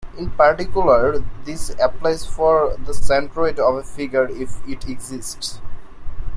In particular this applies for the centroid of a figure, if it exists.